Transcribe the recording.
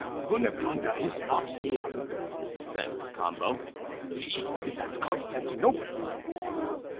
"Cunegonde is not here," said Cacambo, "she is at Constantinople."